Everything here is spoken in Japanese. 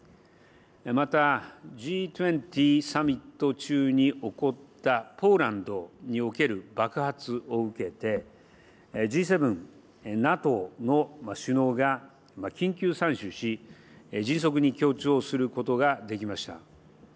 また、Ｇ２０サミット中に起こったポーランドにおける爆発を受けて、Ｇ７、ＮＡＴＯの首脳が緊急参集し、迅速に協調することができました。